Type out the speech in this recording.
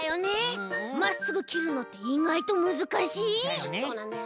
まっすぐきるのっていがいとむずかしい！だよね！